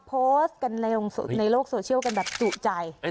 โพสต์กันในโลกโซเชียลกันแบบจุใจ